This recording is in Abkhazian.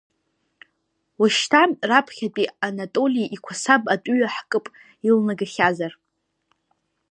Уашьҭа, раԥхьатәи Анатоли иқәасаб атәыҩа ҳкып, илнагахьазар!